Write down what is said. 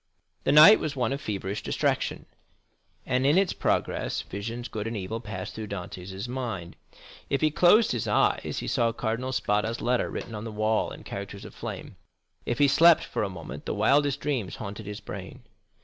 The night was one of feverish distraction, and in its progress visions, good and evil, passed through Dantès' mind. If he closed his eyes, he saw Cardinal Spada's letter written on the wall in characters of flame—if he slept for a moment the wildest dreams haunted his brain.